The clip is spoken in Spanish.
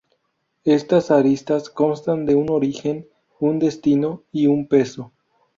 Estas aristas constan de un origen, un destino y un peso.